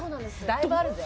だいぶあるぜ。